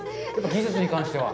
技術に関しては？